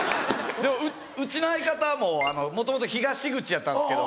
うちの相方ももともと東口やったんですけど